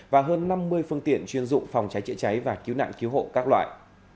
và hơn năm mươi phương tiện chuyên dụng phòng cháy chữa cháy và cứu nạn cứu hộ các loại